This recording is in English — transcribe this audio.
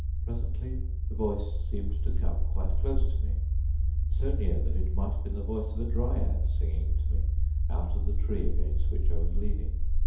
Presently the voice seemed to come quite close to me, so near that it might have been the voice of a dryad singing to me out of the tree against which I was leaning.